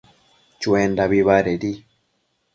Chiendambi badedi